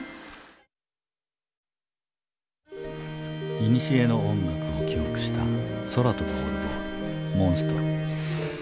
いにしえの音楽を記憶した空飛ぶオルゴール「モンストロ」。